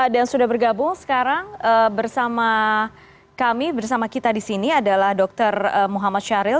sudah bergabung sekarang bersama kami bersama kita di sini adalah dr muhammad syahril